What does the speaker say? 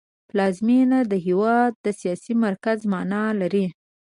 پلازمېنه د هېواد د سیاسي مرکز مانا لري